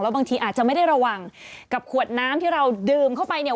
บางทีอาจจะไม่ได้ระวังกับขวดน้ำที่เราดื่มเข้าไปเนี่ย